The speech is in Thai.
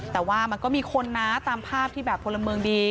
แต่ว่ามันก็มีคนนะตามภาพที่แบบพลเมืองดี